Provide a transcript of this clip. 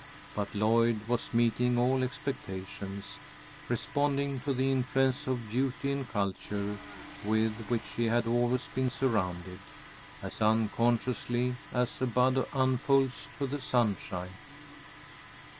But Lloyd was meeting all expectations, responding to the influence of beauty and culture with which she had always been surrounded, as unconsciously as a bud unfolds to the sunshine.